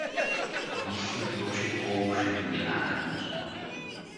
Мисли от лоши по-лоши му минуваха през ума.